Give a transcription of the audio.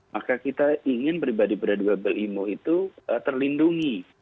maka kita ingin pribadi pribadi itu terlindungi